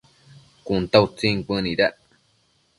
Cun ta utsin cuënuidac